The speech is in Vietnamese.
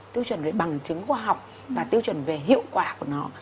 tiêu chuẩn về bằng chứng khoa học và tiêu chuẩn về hiệu quả của nó